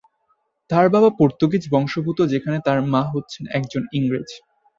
তার বাবা পর্তুগিজ বংশোদ্ভূত যেখানে তার মা হচ্ছেন একজন ইংরেজ।